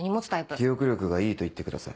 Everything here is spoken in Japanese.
記憶力がいいと言ってください。